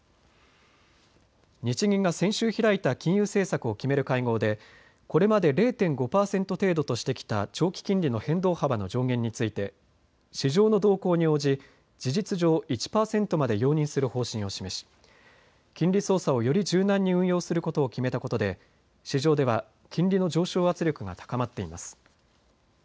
日銀が先週開いた金融政策を決める会合でこれまで０．５％程度としてきた長期金利の変動幅の上限について市場の動向に応じ事実上、１％まで容認する方針を示し金利操作をより柔軟に運用することを決めたことで市場では金利の上昇圧力が高まっています。